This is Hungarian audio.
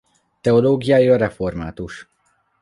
Teológiája református.